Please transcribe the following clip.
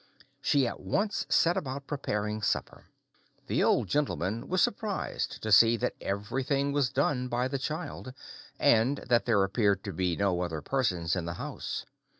She at once set about preparing supper. The Old Gentleman was surprised to see that everything was done by the child, and that there appeared to be no other persons in the house.